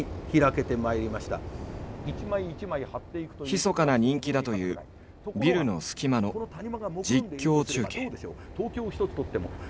ひそかな人気だというビルの隙間の実況中継。